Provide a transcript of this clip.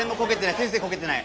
先生こけてない。